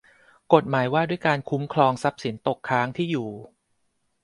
กฎหมายว่าด้วยการคุ้มครองทรัพย์สินตกค้างที่อยู่